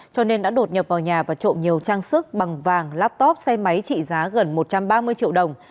cho nên đã đột nhập vào nhà và trộm nhiều trang sức bằng vàng laptop xe máy trị giá gần một trăm ba mươi triệu đồng